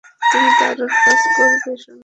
তুমি দারুণ কাজ করবে, সোনা।